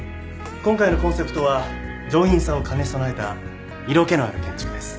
今回のコンセプトは上品さを兼ね備えた色気のある建築です。